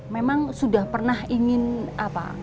memang sudah pernah ingin apa